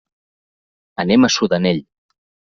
Anem a Sudanell.